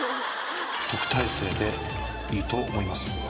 特待生でいいと思います。